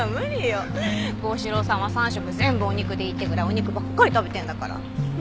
孝史郎さんは３食全部お肉でいいってぐらいお肉ばっかり食べてるんだから。